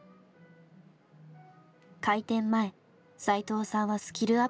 開店前斎藤さんはスキルアップに励みます。